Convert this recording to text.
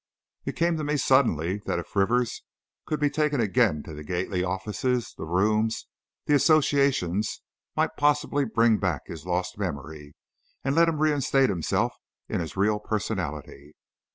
It came to me suddenly that if Rivers could be taken again to the Gately offices, the rooms, the associations, might possibly bring back his lost memory, and let him reinstate himself in his real personality.